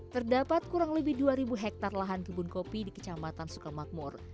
terdapat kurang lebih dua ribu hektare lahan kebun kopi di kecamatan sukamakmur